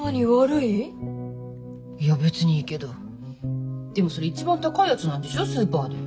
いや別にいいけどでもそれ一番高いやつなんでしょスーパーで。